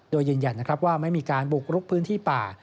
โดยยืนยันนะครับว่าไม่มีการบุกรุกพื้นที่ป่า